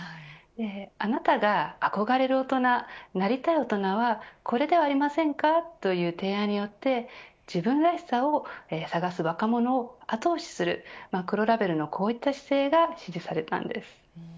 あなたが憧れる大人なりたい大人はこれではありませんかという提案によって自分らしさを探す若者を後押しする黒ラベルのこういった姿勢が支持されたんです。